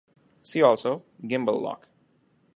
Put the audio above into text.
See also: Gimbal Lock.